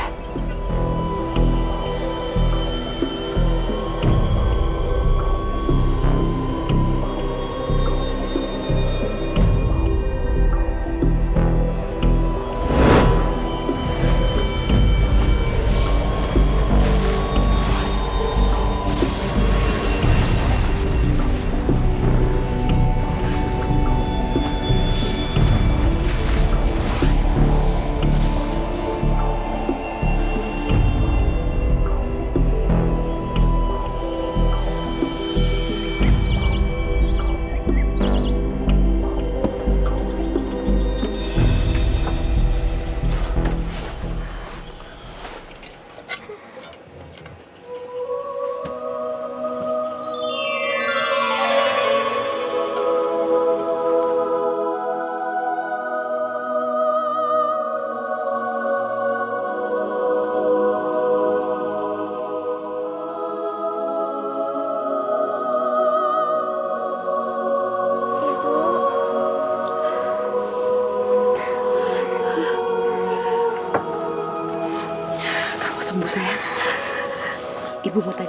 terima kasih pak